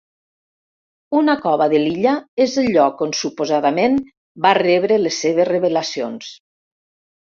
Una cova de l'illa és el lloc on suposadament va rebre les seves revelacions.